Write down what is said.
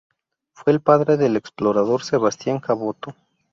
Fue el padre del explorador Sebastián Caboto.